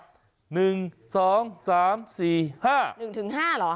๑ถึง๕เหรอ